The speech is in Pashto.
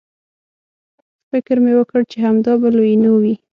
فکر مې وکړ چې همدا به لویینو وي.